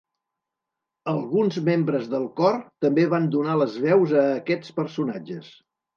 Alguns membres del cor també van donar les veus a aquests personatges.